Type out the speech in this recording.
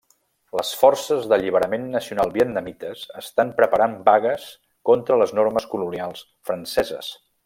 Les forces d'alliberament nacional vietnamites estan preparant vagues contra les normes colonials franceses.